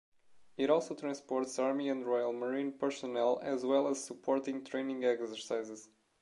It also transports Army and Royal Marine personnel, as well as supporting training exercises.